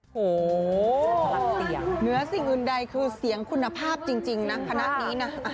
โหเหนือสิ่งอื่นใดคือเสียงคุณภาพจริงนะพนักนี้นะ